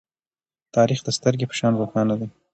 تاریخ د سترگې په شان روښانه ده.